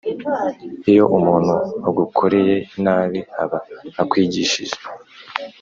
Iyo umuntu agukoreye nabi aba akwigishije.